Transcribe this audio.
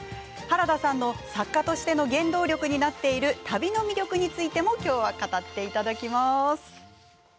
原田さんの作家としての原動力になっている旅の魅力についてもきょうは語っていただきます。